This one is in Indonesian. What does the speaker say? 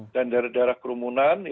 dan daerah daerah kerumunan